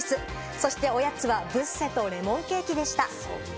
そしておやつは、ブッセとレモンケーキでした。